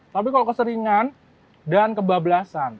tapi kalau keseringan dan kebablasan